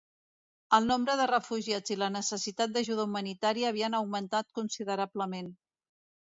El nombre de refugiats i la necessitat d'ajuda humanitària havien augmentat considerablement.